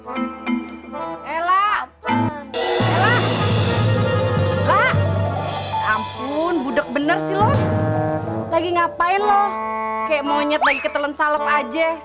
ella ella ampun budeg bener silo lagi ngapain loh kayak monyet lagi ketelan salep aja